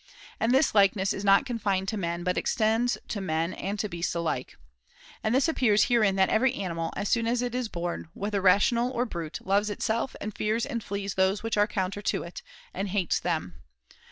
And this likeness is not con fined to men, but extends to men and to beasts alike. And this appears herein that every animal, as soon as it is born, whether rational or brute, [503 loves itself and fears and flees those things which are counter to it, and hates them.